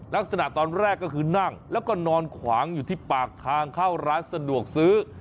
ลักษณะตอนแรกก็คือนั่งแล้วก็นอนขวางอยู่ที่ปากทางเข้าร้านสะดวกซื้อ